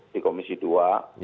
di komisi dua